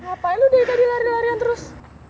ngapain lu deh tadi lari larian terus